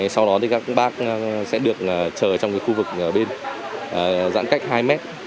sau đó thì các bác sẽ được chờ trong khu vực bên giãn cách hai mét